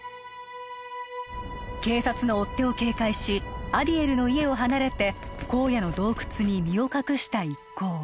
警察の追っ手を警戒しアディエルの家を離れて荒野の洞窟に身を隠した一行